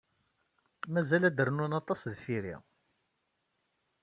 Mazal ad d-rnun aṭas deffir-i.